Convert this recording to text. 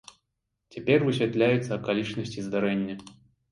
Цяпер высвятляюцца акалічнасці здарэння.